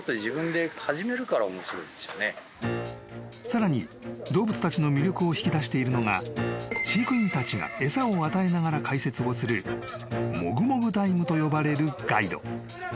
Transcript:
［さらに動物たちの魅力を引き出しているのが飼育員たちが餌を与えながら解説をするもぐもぐタイムと呼ばれるガイド］